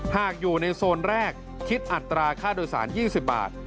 หากอยู่ในโซนแรกคิดอัตราค่าโดยสาร๒๐บาท